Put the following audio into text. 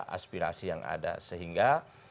aspirasi yang ada sehingga